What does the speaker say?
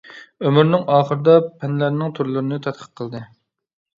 ئۆمرىنىڭ ئاخىرىدا پەنلەرنىڭ تۈرلىرىنى تەتقىق قىلدى.